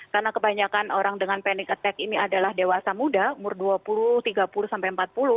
karena kebanyakan orang dengan panic attack ini adalah dewasa muda umur dua puluh tiga puluh sampai empat puluh